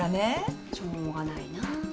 しょうがないな。